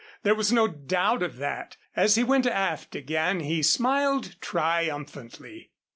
There was no doubt of that. As he went aft again he smiled triumphantly.